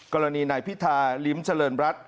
กรณีนายพิธาลิ้มเจริญรัฐ